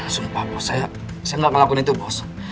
sumpah bos saya gak akan lakukan itu bos